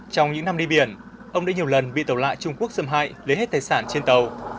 trong những năm đi biển ông đã nhiều lần bị tàu lại trung quốc xâm hại lấy hết tài sản trên tàu